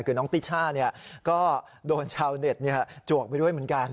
คือน้องติช่าก็โดนชาวเน็ตจวกไปด้วยเหมือนกัน